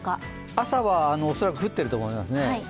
朝は恐らく降っていると思いますね。